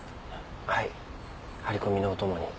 はい張り込みのお供に。